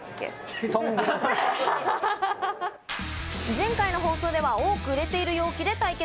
前回の放送では多く売れている容器で対決。